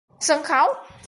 Sân khấu